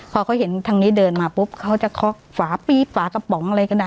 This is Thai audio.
พอเขาเห็นทางนี้เดินมาปุ๊บเขาจะเคาะฝาปี๊บฝากระป๋องอะไรก็ได้